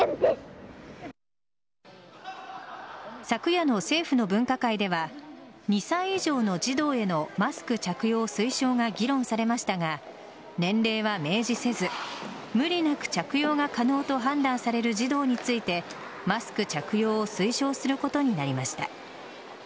昨夜の政府の分科会では２歳以上の児童へのマスク着用推奨が議論されましたが年齢は明示せず無理なく着用が可能と判断される児童についてマスク着用を推奨することになりました。